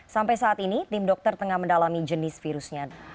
sampai saat ini tim dokter tengah mendalami jenis virusnya